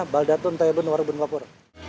baldatun tayodun warubunwapur